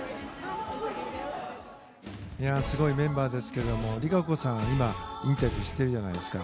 すごいメンバーですけども璃花子さん、インタビューをしたじゃないですか。